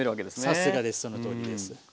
さすがですそのとおりです。